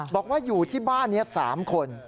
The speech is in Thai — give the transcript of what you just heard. บอกว่าอยู่ที่บ้านนี้๓คน